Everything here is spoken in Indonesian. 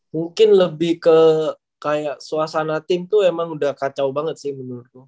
mungkin lebih ke kayak suasana tim tuh emang udah kacau banget sih menurutku